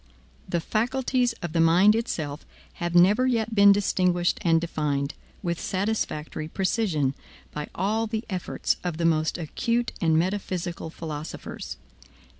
The faculties of the mind itself have never yet been distinguished and defined, with satisfactory precision, by all the efforts of the most acute and metaphysical philosophers.